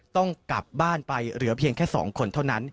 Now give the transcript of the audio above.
ต้องกลับบ้านไปเหลือเพียงแค่๒คนเท่านั้น